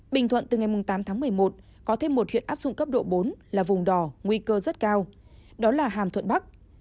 bình thuận từ ngày tám tháng một mươi một có thêm một huyện áp dụng cấp độ bốn là vùng đỏ nguy cơ rất cao đó là hàm thuận bắc